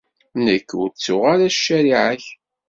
Nekk, ur ttuɣ ara ccariɛa-k.